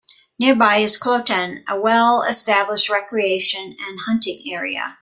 Nearby is Kloten, a well-established recreation and hunting area.